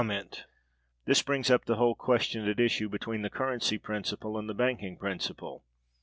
This brings up the whole question at issue between the "Currency Principle" and the "Banking Principle."